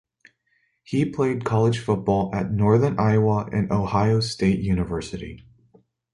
He played college football at Northern Iowa and Ohio State University.